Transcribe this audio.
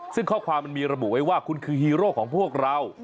ซึ่งข้อความมันมีระบุไว้ว่าคุณคือฮีโร่ของพวกเรา